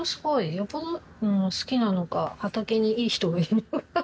よっぽど好きなのか畑にいい人がいるのか。